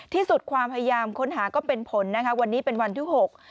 ที่สุดความพยายามค้นหาก็เป็นผลนะคะวันนี้เป็นวันที่หก